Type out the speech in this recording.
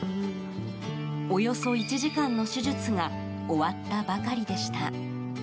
およそ１時間の手術が終わったばかりでした。